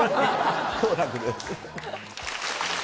好楽です。